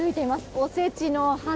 おせちの旗。